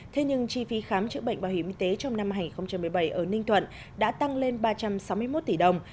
thế nhưng chi phí khám chữa bệnh bảo hiểm y tế trong năm hai nghìn một mươi bảy ở ninh thuận đã tăng lên ba trăm sáu mươi một tỷ đồng